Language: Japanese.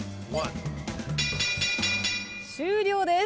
終了です。